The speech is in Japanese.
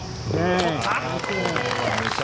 取った。